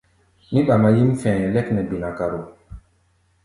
Mí ɓama yíʼm fɛ̧ɛ̧ lɛ́k nɛ binakaro.